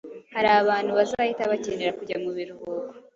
"Hari abantu bazahita bakenera kujya mu biruhuko